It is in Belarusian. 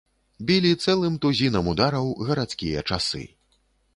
Білі цэлым тузінам удараў гарадскія часы.